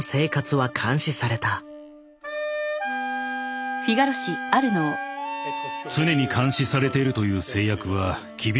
常に監視されているという制約は厳しいものです。